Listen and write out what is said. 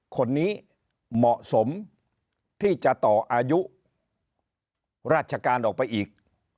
คนนี้เหมาะสมที่จะต่ออายุราชการออกไปอีก